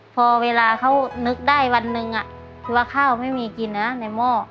พอเวลาเขานึกได้วันหนึ่งคือว่าข้าวไม่มีกินนะในหม้อ